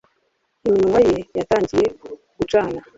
Iminwa ye yatangiye gucana